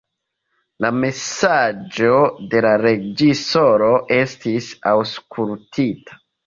La mesaĝo de la reĝisoro estis aŭskultita.